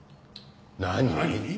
何！？